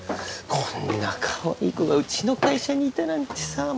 こんなかわいい子がうちの会社にいたなんてさ